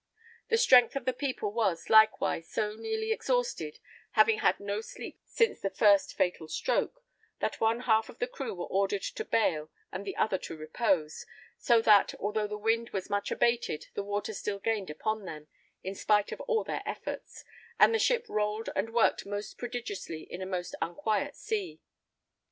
The strength of the people was, likewise, so nearly exhausted, having had no sleep since the first fatal stroke, that one half of the crew were ordered to bail and the other to repose; so that, although the wind was much abated, the water still gained upon them, in spite of all their efforts, and the ship rolled and worked most prodigiously in a most unquiet sea.